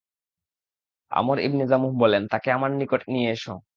আমর ইবনে জামূহ বললেন, তাকে আমার নিকট নিয়ে এস।